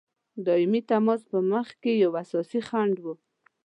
دایمي تماس په مخکي یو اساسي خنډ وو.